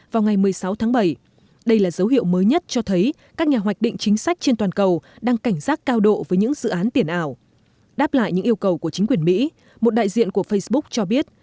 với yêu cầu của chính quyền mỹ một đại diện của facebook cho biết